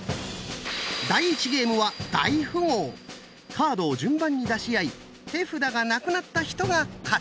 カードを順番に出し合い手札がなくなった人が勝ち！